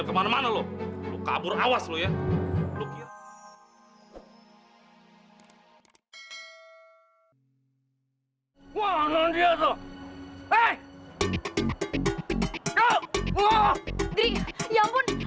sampai jumpa di video selanjutnya